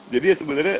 jadi ya sebenernya